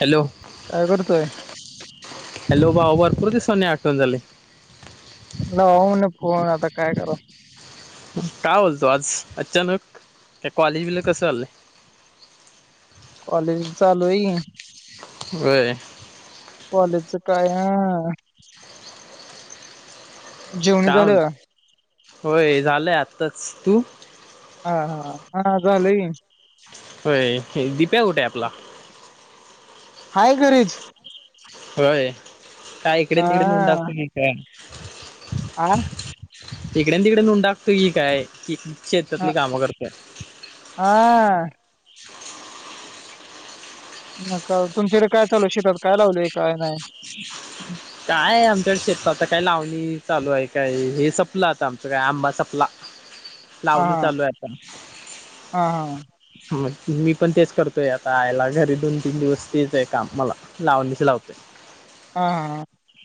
Hello, काय करतोय hello भावा भरपूर आठवण झालय. लाऊन फोन आता काय कराव? का बोलतो आज अचानक त्या कॉलेज बिले कसं चाललंय. कॉलेज चालूयकी. व्हय. कॉलेजचं काय हा. जेवणी काय झालं का? म्हणतो होय झालंय आताच तू. हा, हा, हा झालंय की. होय दीप्या कुठेय आपला? हाय घरीच होय का इकडे हा तिकडे [unintelligible] आ इकड न तिकडे [unintelligible] असतो की काय की हा शेतातली कामं करतय हा न का तुमच्याकडे काय चालूय शेतात काय लावलेय काय नाही काय आमच्याकडे शेतात काही लावणी चालूय आहे काय हे सपलं आता आमचं काय आंबा सपला हा लावणी चालूय आता हा हा मग मी पण तेच करतोय आता आयला घरी दोन, तीन दिवस तेच आहे काम मला लावणीच लावतोय हा हा हा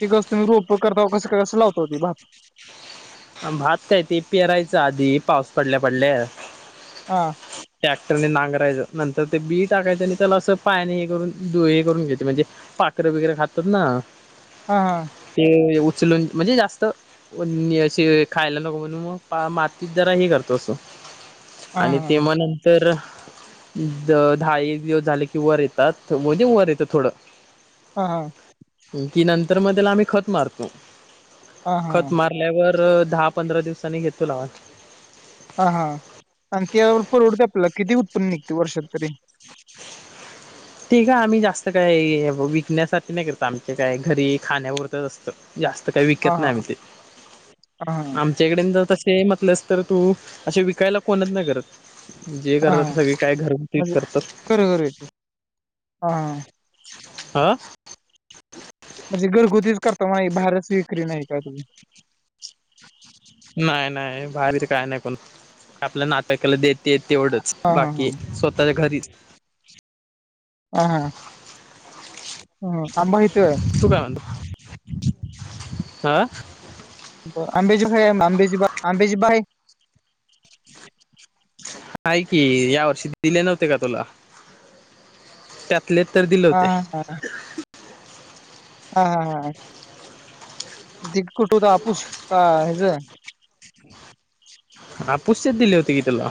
ती गस तुम्ही रोप करताव कसं का कसं लावताव भात भात काय ते पेरायचं आधी पाऊस पडल्या पडल्या हा टॅक्टरने नांगरायचं नंतर ते बी टाकायचं आणि त्याला असं पाने हे करून हे करून घ्यायचे म्हणजे पाखरे वगैरे खातात ना हा हा ते उचलून म्हणजे जास्त खायला नको म्हणून मग मातीत जरा ह करतो अस हा आणि तेव्हा नंतर द दहा एक दिवस झाले की वर येतात म्हणजे वर येतं थोडं हा हा कि नंतर मग त्याला आम्ही खत मारतो हा हा खत मारल्यावर दहा पंधरा दिवसांनी घेतो लावा हा हा आणि त्या परवडते आपल्या किती उत्पन्न निघते वर्षात तरी ती काय आम्ही जास्त काही विकण्यासाठी नाही करत आमचे काय घरी खाण्यावररतच असतं जास्त काही हा विकत हा नाही आम्ही ते हा हा आमच्याकडे ज त ते म्हटलंस तर तू असे विकायला कोणत नाही करत जे करतात सगळी काय घर तेच करतात खरं खरं येत हा. आा म्हणजे घरगुतीच करता मा बाहेरच विक्री नाही का तुम्ही नाही नाही बाहेरी काय नाही कोण आपल्या नात केला देत ते तेवढंच हा हा हा बाकी स्वतःच्या घरीच ह हा ह अंबा हेत आहे आा आंबेजी अंबेजीबा आंबेजिबाय आहे कि या वर्षी दिले नव्हते का तुला त्यात ले तर दिले हा होते हा हा हा हा द कुटू तर आपूच का हज ह पुूसचेच दिले होते की त्याला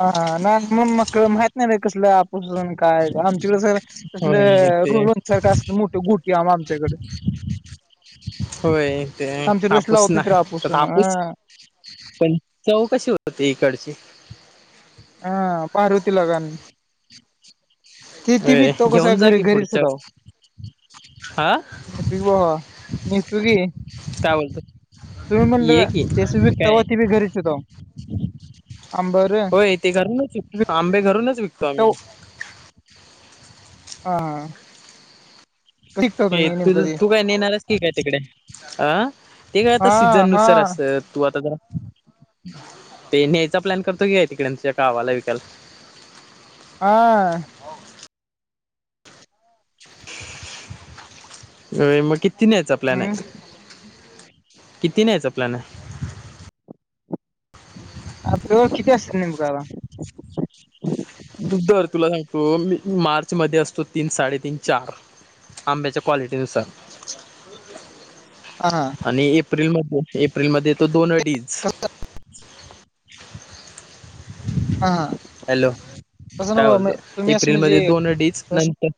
ह ना मग मग माहित नाही र कसलं आपूसून काय आमच्याकडे तल होय ते रोहन सारख अस मोठे गुटी आम आमच्याकडे होय ते आमच्याकडे तसं हापूस लावत नाहीत रे नाही आपूस अन हापूस हा पण चौ कशी होत होती इकडची अह पारुती लागण [unintelligible] [inaudible] बी होय तो कसा घेऊन जा घरी की घरीच पुढच्या का हा [inaudible] बवा नितुकी काय बोलतो तुम्ही ये म्हणलं की त्यास बी तव काय ती बी घरीच होत आंबर ते करच आंबे कमी विकताव हा शिकता हे तुम्ही तुझ नेमकं ते तू काय नेणारस की काय तिकडे अं ते काय हा आता सीझन हा नुसार असत तू आता जरा ते न्यायचा प्लॅन करतो घे तिकडे तच्या गावाला विकायला हा अ मग किती न्यायचा प्लॅन हम् आहे किती नायचा प्लॅन हाय आपल्याकड किती असतात नेमकाला आता आहे दर तुला सांगतो मार्च मध्ये असतो तीन साडेतीन चार आंब्याच्या क्वालिटी नुसार हा आणि एप्रिल म एप्रिल मध्ये तो दोन अडीज, हा हा हॅलो तसं काय नव्ह म बोलतो तुम्ही असं म्हणजे एप्रिलमध्ये दोन अडीच प्रश्न नंतर,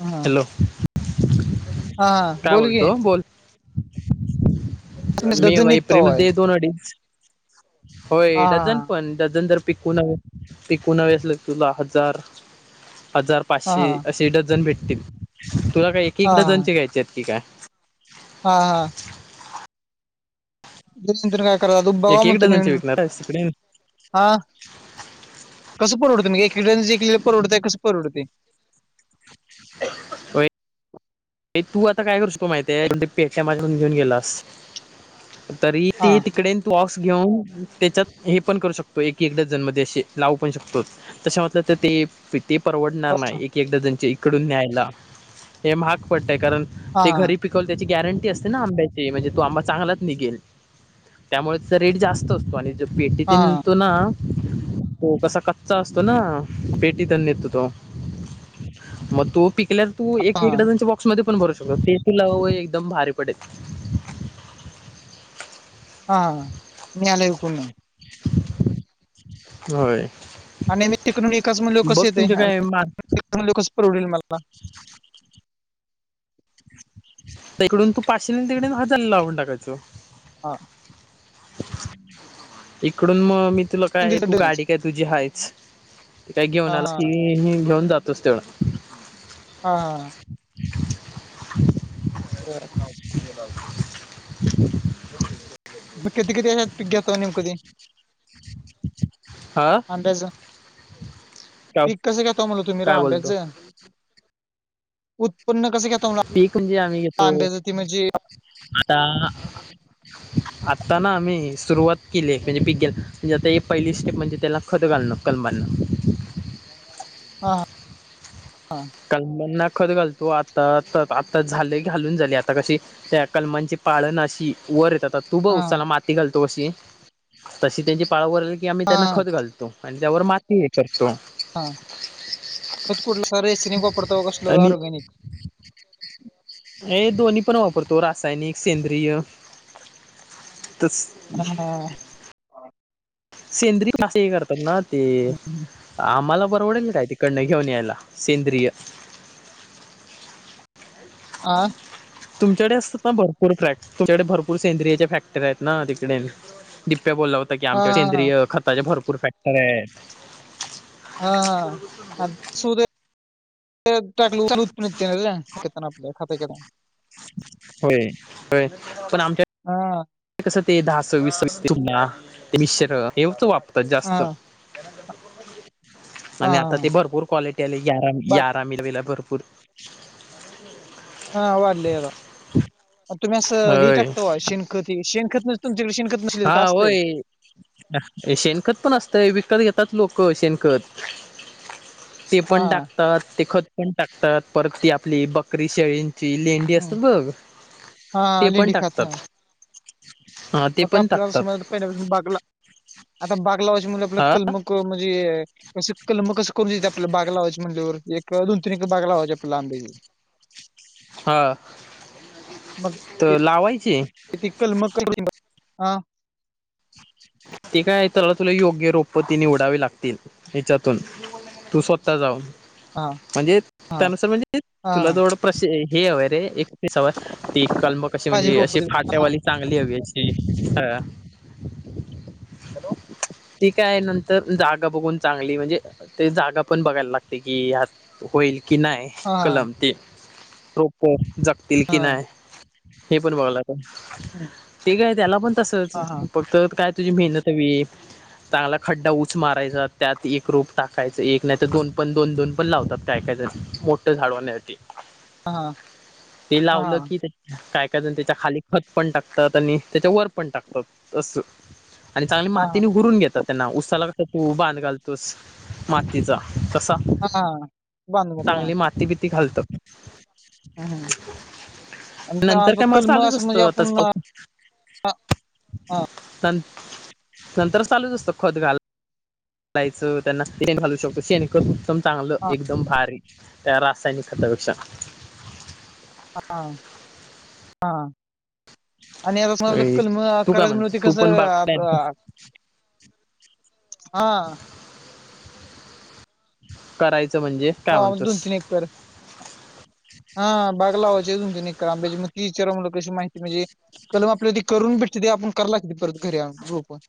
हा हॅलो, हा हा काय बोल की, बोलतो मी डझन वई निघता प्रेमल होय तेे दोन अडीच. होय हा डझन पण डझन तर, पिकोणास एकोणावेसल तुला हजार, हजार हा पाचशे हा असे डझन भेटतील तुला काय एक हा एक डझनचे घ्यायचे आहेत की काय? हा हा, त काय करा बघावं एक एक म्हणतं नेऊन डझनचे विकणार तिकडे हा कस परवतं एक एक डझन च परवडतय कस परवडतय. होय तू आता काय करू शको माहितीय त पेठ्या माझ्याकून घेऊन गेलास, तरी हा ते तिकडे तू ऑ घेऊन त्याच्यात हे पण करू शकतो एक एक डझन मध्ये असे लावू पण शकतो त म्हटलं तर ते, ते परवडणार हा नाही एक एक डझन च्या इकडून न्यायला हे महाग, कारण ते हा घरी पिकवल त्याची गॅरं टी असते ना आंब्याची म्हणजे तो आंबा चांगलाच निघेल त्यामुळे रेट जास्त असतो आणि, भेटी तिन हा तो ना, तो कसा कच्चा असतो ना पेटीत येतो तो. मग तो पिकल्या तर तू एक हा एक डझन बो मध्ये पण भरू शकतो ते तू लव एकदम भारी पडे. हा मे आला येऊकण. होय. आणि मी तिकडून विकास मुण ल कस बघ येते तुमचे काय मार आणि मु ल कस परवडेल मला? इकडून तू पाचशे तिकडे हजारला लावून टाकायचं. हा. इकडून मग मी तुला संधी काय तू डनच गाडी काय तुझी हायच. काही घेऊन हा आला हा ती ह घेऊन जातोच तेवढं. हा हा. बर. ब किती किती ह्याच्यात पीक घेतो नेमका तो हा अंदाज काय पीक कसं घेतो म्हणाव तुम्ही काय बोलतो आंब्याचं? उत्पन्न कसं घेतो म्हणलं पीक म्हणजे आम्ही घेतो आंब्याचं ते म्हणजे आता, आता ना आम्ही सुरुवात केली म्हणजे पीक म्हणजे आता एक पहिली स्टेप म्हणजे त्याला खतं घाल [inaudible] हा. हा कलमना खत घालतो आता आता झाले घालून झाले आता कशी त्या कलमांची पाळण अशी वर येतात..... तर तू बघ हा ऊसाला माती घालतो कशी तशी त्यांची पाळ वर आल की आम्ही त्यांना हा खत घालतो, आणि त्यावर माती हे करतो. हा खत कुरल... रेसि वापरतो कसल आणि ऑर्गॅनिक.... हे दोन्ही पण वापरतो रासायनिक सेंद्रिय.... तस.... हा सेंद्री खत हे करतात ना ते आम्हाल.... परवडेल काय तिकडनं घेऊन यायला सेंद्रिय.... आ, तुमच्याकडे असतात ना भरपूर फ्लॅट तुमच्याकडे भरपूर सेंद्रियाच्या फॅक्टरीत आहेत ना तिकडे... बोलला होता की आमच्या हा सेंद्रीिय खताचे भरपूर फॅक्टरे आहेत... हा हा ते.... टकलेत आपल्या खातचा... होय होय... पण आमच्या हा कसं ते दहा वीस मिश्र हेवच वापतात हा जास्त.... आणि आता हा ते भरपूर क्वालिटी आले या बाग मिला भरपूर भरपूर फूर.... हा वाढले या तुम्ही असं ही होय टाकता शेणखत शेण खात हा होय शेणकत खत पण असतंय वि.... विकत घेतात लोकं शेण खत असे खत ते हा पण हा टाकतात ते खत... पण टाकतात परत ती आपली बकरी शेळीन... तची लेंडी हम्म. असतात बघ हा हा, ते पण लेंडी खत हा टाकतात... हा ते मग पण आपल्याला समाज टाकतात पहिल्यापासून बागला... आता बाग लावायच्या म्हणजे आपलं हा कलमक म्हणजे क.. कलम कसं करून देते आपल्या बाग लावायची म्हणल्यावर एक दोन तीन एक बाग लावायची आपल्याला आंब्याची... हा तर लावायची तिकल कलम हा.... ते काय तर तुला योग्य रोप ते निवडावे लागतील हच्यातून तू स्वतः जाऊन... हा.... म्हणजे हा त्यानुसार म्हणजे तुला हा जवडं प्रश हे हवं रे एक कलम क.... अशी पाहिजे म्हणजे रोप अशी ते हा फाट्यावाली चांगली हवी अशी ह... [unintelligible] हॅलो... ठीक काय नंतर जागा बघून चांगली म्हणजे ते जागा पण बघायला लागते की हायत होईल कि नाही हा कलम ते रोपे जगतील की हा नाही... हे पण बघला का हम्म. आहे त्याला पण तसच हा हा फक्त.... काय तुझी मेहनत हवी चांगला खड्डा उच मारायचा त्यात एक रूप टाकायचं एक नाही तर दोन पण दोन दोन पण लावतात काय काय मोठे झाड होण्यासाठी हा ते लावलं हा की काय त्या त्याच्या खाली खत पण टाकतात आणि त्याच्या वर पण टाकतात असं... आणि चांगली हा मातीने उकरुन घेतात त्यांना उसाला कस तू बांध घालतोस मातीचा कसा हा हा बांधून घेतो हा चांगली माती बिती घालत.... हम्म. आणि नंतर त्या- काय मला कलम चालूच असं म्हणजे असतो आताच आपण [unintelligible] हा... नंतर चालूच असत खत घाल... घालायचं त्यांना शेण घालू शकतो शेण कर उत्तम चांगलं एकदम भारी त्या रासायनिक खते... अपेक्षा. हा हा. आणि आता कलम तू काय करायच म्हणतो मिळते तू कसं. पण बाग प्लॅन हा. करायचं म्हणजे काय लावा म्ह दोन म्हणतोस तीन एकर हा बाग लावायचे दोन तीन एकर आंब्याची विचार कशी माहिती म्हणजे कलम आपल्या त करून भेटते ते आपण कराव लागते. घर आण रोपे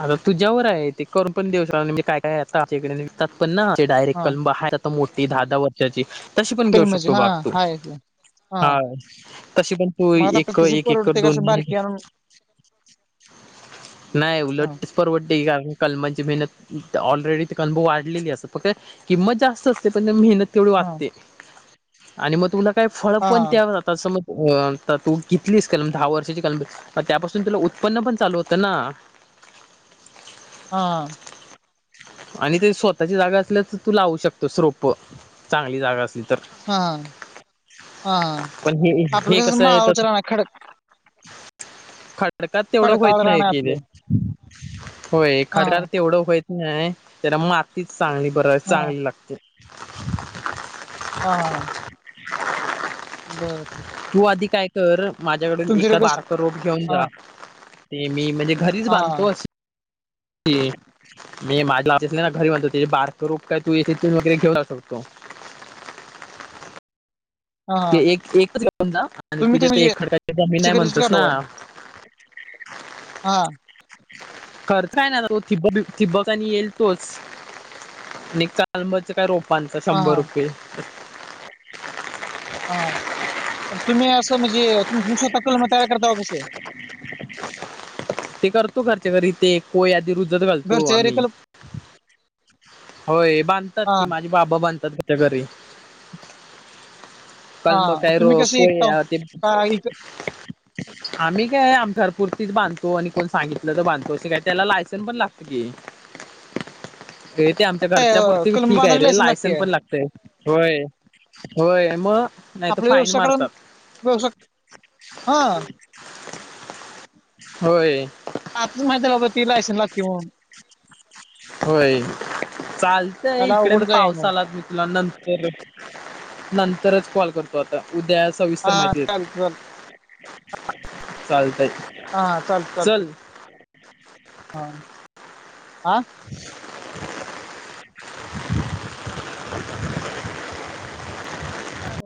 आता तुझ्यावर आहे ते करपण देवशाला म्हणजे काय काय आता आ इकडे निघतात. पण डायरेक्ट हा कब आहेत आता मोठी दहा दहा वर्षाची तशी पण घेऊ कलमाची शकतो हा बाग तू हाय ते. हा तशी पण तू मग आता एक आपल्याला तशी एक एककर परवडते दोन. कसं बारकी आणून [inaudible] नाही हा उलटतेच परवडते कारण कलमांची मेहनत. ऑलरेडी त अनुभव वाढलेली अस फक् किंमत जास्त असते पण मेहनत. तेवढी हा वागते आणि मग तुमला काही फळ हा पण त्याव जातात असं मग. अ तर तू किलीस कलम दहा वर्षाची कलम त्यापासून तुला उत्पन्न पण चालू होतं ना. हा. आणि ते स्वतःची जागा असल्या तर तू लावू शकतो स्रोप चांगली जागा असली. तर हा हा पण हे आपलं हे कसं आहे माळा तर उचल ना खड. खडक तेवढं होत खडकावर नाही राहणार कि आपलं होय हा खडक तेवढं होत नाही. त्याला मग आत्िच चांगली बर हा चांगली लागते. हा. [unintelligible] बरर. तर माझ्याकडून एकादारक रोप घेऊन हा जा ते मी म्हणजे. घरीच हा बांधतो अस. मी माझ्यास ना घरी म्हणतो बारक रूपय तू वगैरे घेऊन जाऊ शकतो. [unintelligible] ते हा एक एकच गन जा आणि तुम्ही तुझ्या कसं ते म्हणजे एक खडकाची जमीन आहे शेतीकडेच म्हणतस करता ना. होय? हा. खताय ना तो तिबक तिबक आणि येईल तोच. आणि चालबच काय रोपान का हा शंभर हा रुपये. हा तुम्ही असं म्हणजे तुम दिवस त कल म तयार करता आ कसं. ते करतो खर्च घरी ते कोय आधी रु. मुजत घालतो घरच्या घरी आम्ही. कलम होय बांधतात हा की माझी बाबा बधतात त्याच्या घरी. हा कल म काय र तुम्ही कसे कोय विकता हो? आ ते. का इक- आम्ही काय आमथरपुरतीच बांतो आणि कोण सांगितलं तर बांधतो असे काय त्याला लायसन्स पण लागत की. [inaudible] ते ते आमच्या काय, घरच्या अं, पुुरती कलम ठीक आहे बांधायला रे लायसन लागते पण लागतय होय. होय आ्हा. आपले व्यवसाय कर व्यवसाय हा. होय. आताच माहिती बाबा ती लायसेन्स लागते म्हणून. होय चालतंय मला इकडेन अवघडच आहे पाऊस मग आलात मी तुला नंतर. नंतरच कॉल करतो आता उदया हा सविस्तर माहिती चालत चालत देतो. चालतच हा चालत चालत चल. हा आा. [inaudible] हा.